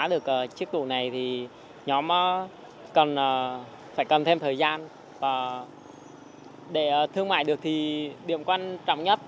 để thương mại được chiếc tủ này thì nhóm phải cần thêm thời gian và để thương mại được thì điểm quan trọng nhất